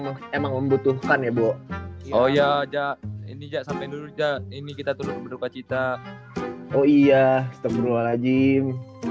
memang membutuhkan ya bu oh ya ini kita turun berdukacita oh iya setempat wajib